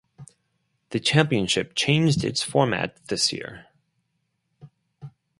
The championship changed its format this year.